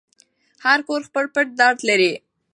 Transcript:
هر کور خپل پټ درد لري.